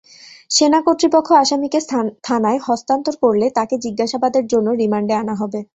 সেনা কর্তৃপক্ষ আসামিকে থানায় হস্তান্তর করলে তাঁকে জিজ্ঞাসাবাদের জন্য রিমান্ডে আনা হবে।